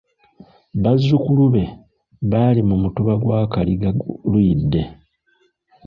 Bazzukulu be bali mu Mutuba gwa Kaliga Luyidde.